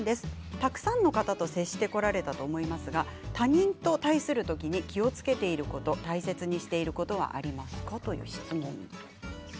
たくさんの方と接してこられたと思いますが他人と対する時に気をつけていること大切にしていることはありますか、という質問です。